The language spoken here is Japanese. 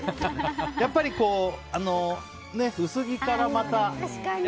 やっぱり薄着からまた。